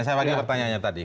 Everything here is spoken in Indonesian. saya wakili pertanyaannya tadi